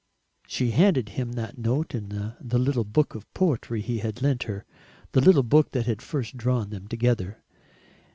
She handed him that note in the little book of poetry he had lent her, the little book that had first drawn them together.